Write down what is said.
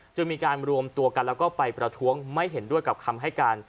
จึงมีการรวมตัวกันแล้วก็ไปประท้วงไม่เห็นด้วยกับคำให้การ